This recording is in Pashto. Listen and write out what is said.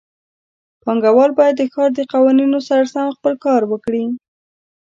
پانګهوال باید د ښار د قوانینو سره سم خپل کار وکړي.